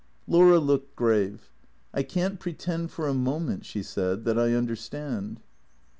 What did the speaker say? Laura looked grave. " I can't pretend for a moment," she said, " that I understand."